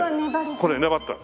これ粘ったの。